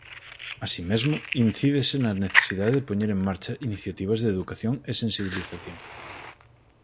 Así mesmo, incídese na necesidade de poñer en marcha iniciativas de educación e sensibilización.